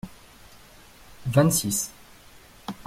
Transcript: Vingt-six.